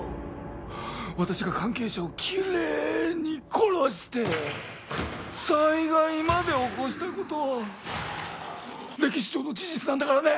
私が関係者をきれいに殺して災害まで起こした事は歴史上の事実なんだからね！